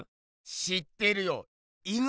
知ってるよ！